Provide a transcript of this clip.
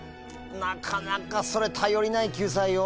なかなかそれ頼りない救済よ。